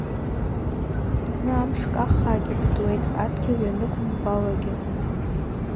Зны амыш каххаагьы дыдуеит, адгьыл ианықәым гәалагьы.